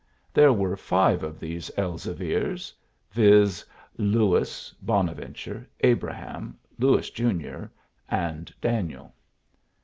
There were five of these Elzevirs, viz.: Louis, Bonaventure, Abraham, Louis, Jr., and Daniel.